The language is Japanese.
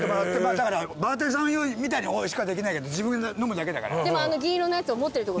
だからバーテンさんみたいにおいしくはできないけど自分が飲むだけだから。